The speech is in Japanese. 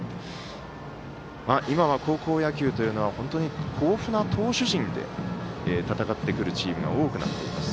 今は高校野球というのは豊富な投手陣で戦ってくるチームが多くなっています。